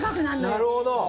なるほど。